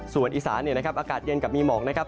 ส่วนอีสานเนี่ยนะครับอากาศเย็นกับมีหมอกนะครับ